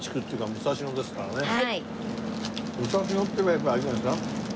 武蔵野っていえばやっぱあれじゃないですか？